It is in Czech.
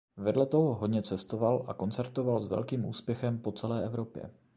Vedle toho hodně cestoval a koncertoval s velkým úspěchem po celé Evropě.